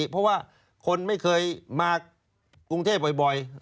เพราะว่าคนไม่เคยมากรุงเทพบ่อย